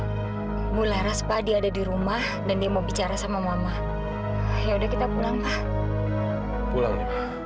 hai bu laras padi ada di rumah dan dia mau bicara sama mama ya udah kita pulang pulang